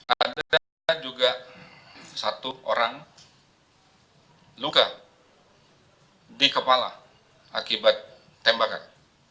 ada juga satu orang luka di kepala akibat tembakan